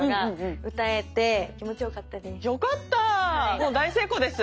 もう大成功です。